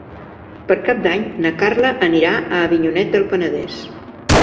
Per Cap d'Any na Carla anirà a Avinyonet del Penedès.